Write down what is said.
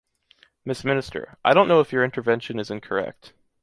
Mrs. Minister, I don’t know if your intervention is incorrect.